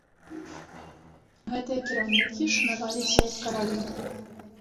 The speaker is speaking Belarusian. Гэтыя кіраўнікі шанаваліся як каралі.